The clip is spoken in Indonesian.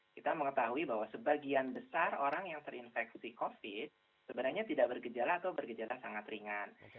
kita mengetahui bahwa sebagian besar orang yang terinfeksi covid sebenarnya tidak bergejala atau bergejala sangat ringan